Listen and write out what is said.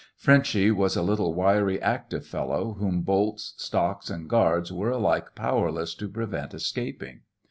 Frenchy was a little, wiry, active fellow, whom bolts, stocks, and guards were alike powerless to prevent escaping.